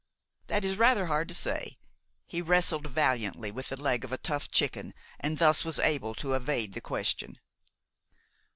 "That is rather hard to say." He wrestled valiantly with the leg of a tough chicken, and thus was able to evade the question.